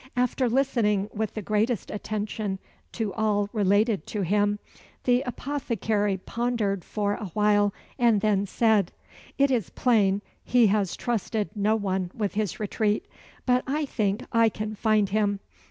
After listening with the greatest attention to all related to him, the apothecary pondered for awhile, and then said "It is plain he has trusted no one with his retreat, but I think I can find him.